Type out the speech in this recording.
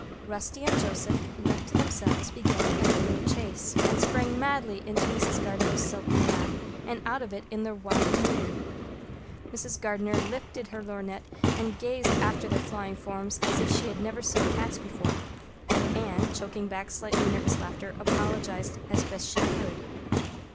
Rusty and Joseph, left to themselves, began a game of chase, and sprang madly into Mrs. Gardner's silken lap and out of it in their wild career. Mrs. Gardner lifted her lorgnette and gazed after their flying forms as if she had never seen cats before, and Anne, choking back slightly nervous laughter, apologized as best she could.